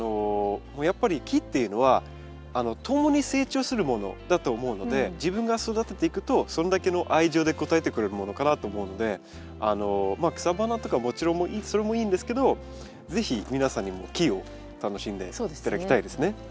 やっぱり木っていうのは共に成長するものだと思うので自分が育てていくとそれだけの愛情で応えてくれるものかなと思うのでまあ草花とかもちろんそれもいいんですけど是非皆さんにも木を楽しんで頂きたいですね。